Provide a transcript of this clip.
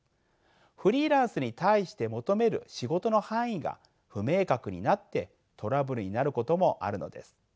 フリーランスに対して求める仕事の範囲が不明確になってトラブルになることもあるのです。